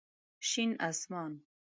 شين اسمان